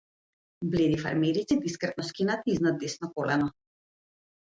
Бледи фармерици, дискретно скинати изнад десно колено.